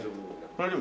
大丈夫？